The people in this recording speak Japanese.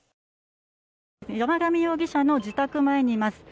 山上容疑者の自宅前にいます。